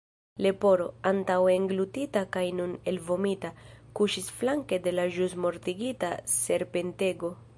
Leporo, antaŭe englutita kaj nun elvomita, kuŝis flanke de la ĵus mortigita serpentego.